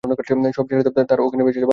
সব ছেড়ে দাও, তার যেখানে যাবার ভেসে যাক।